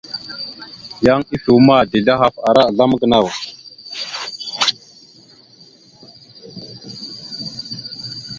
Yan ife uma, dezl ahaf ara azlam gənaw.